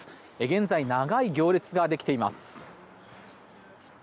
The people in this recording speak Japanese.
現在、長い行列ができています。